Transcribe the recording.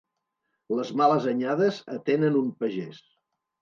Les males anyades atenen un pagès.